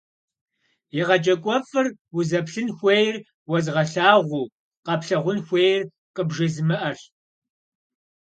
Егъэджакӏуэфӏыр – узэплъын хуейр уэзыгъэлъагъуу, къэплъагъун хуейр къыбжезымыӏэрщ.